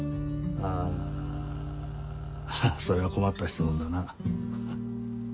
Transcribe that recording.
あそれは困った質問だな。